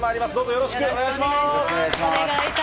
よろしくお願いします。